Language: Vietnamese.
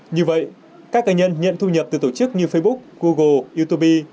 như vậy các cá nhân nhận thu nhập từ tổ chức như facebook google youtube